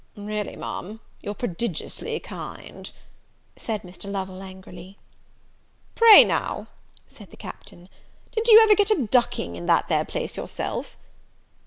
"Really, Ma'am, you're prodigiously kind," said Mr. Lovel, angrily. "Pray now," said the Captain, "did you ever get a ducking in that there place yourself?"